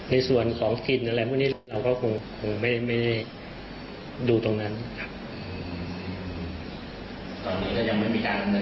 ในส่วนของสกรีนอะไรพวกนี้เราก็คงไม่ดูตรงนั้นครับ